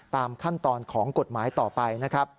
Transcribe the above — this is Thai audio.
ตามขั้นตอนของกฎหมายต่อไป